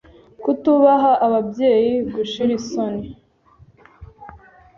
Kutubaha ababyeyi, gushira isoni,